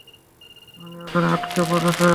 উনি ওখানে আটকা পড়েছে।